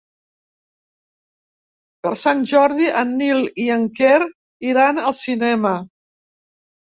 Per Sant Jordi en Nil i en Quer iran al cinema.